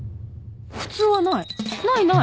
普通はない！